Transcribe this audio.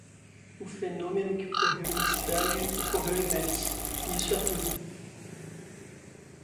O fenômeno que ocorreu na cidade ocorreu em Metz, e isso é tudo.